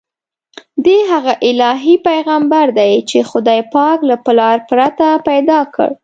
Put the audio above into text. دی هغه الهي پیغمبر دی چې خدای پاک له پلار پرته پیدا کړ.